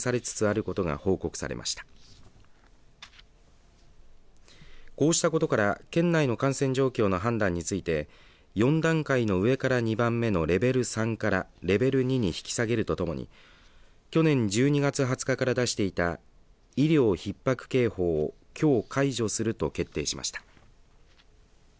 こうしたことから県内の感染状況の判断について４段階の上から２番目のレベル３からレベル２に引き下げるとともに去年１２月２０日から出していた医療ひっ迫警報をきょう解除すると決定しました。